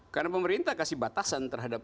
karena pemerintah kasih batasan terhadap